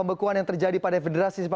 oke jadi biasanya